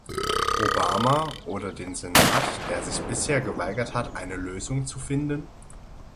Obama oder den Senat, der sich bisher geweigert hat, eine Lösung zu finden?